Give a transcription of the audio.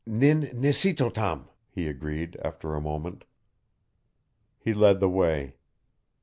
"Nin nissitotam," he agreed after a moment. He led the way.